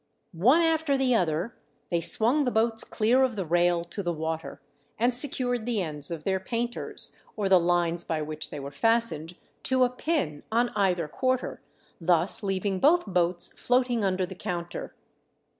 One after the other they swung the boats clear of the rail to the water, and secured the ends of their painters, or the lines by which they were fastened, to a pin, on either quarter, THE WEATHER HELPS MY SCHEME. 477 thus leaving both boats floating under the counter.